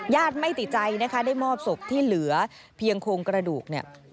ไม่ติดใจนะคะได้มอบศพที่เหลือเพียงโครงกระดูกเนี่ย